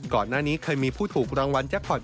ก่อนหน้านี้เคยมีผู้ถูกรางวัลแจ็คพอร์ต